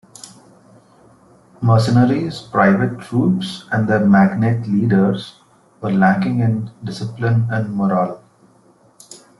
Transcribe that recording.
Mercenaries, private troops and their magnate leaders were lacking in discipline and morale.